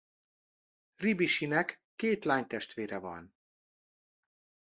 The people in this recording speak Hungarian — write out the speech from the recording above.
Ribisi-nek két lánytestvére van.